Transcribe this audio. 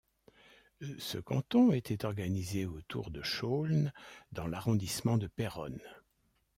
Ce canton était organisé autour de Chaulnes dans l'arrondissement de Péronne.